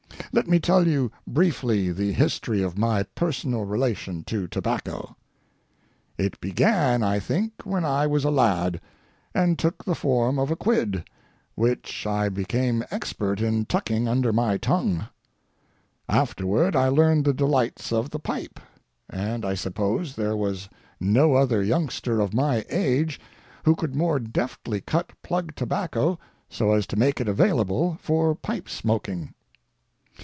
Let me tell you briefly the history of my personal relation to tobacco. It began, I think, when I was a lad, and took the form of a quid, which I became expert in tucking under my tongue. Afterward I learned the delights of the pipe, and I suppose there was no other youngster of my age who could more deftly cut plug tobacco so as to make it available for pipe smoking.